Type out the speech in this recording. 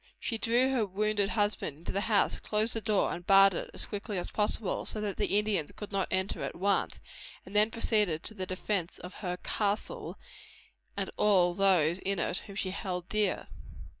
She drew her wounded husband into the house, closed the door and barred it as quickly as possible, so that the Indians could not enter at once, and then proceeded to the defence of "her castle," and all those in it whom she held dear.